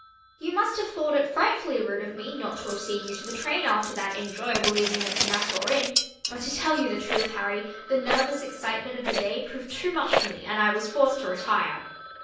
You must have thought it frightfully rude of me not to have seen you to the train after that enjoyable evening at the Nassau Inn, but to tell you the truth, Harry, the nervous excitement of the day proved too much for me and I was forced to retire.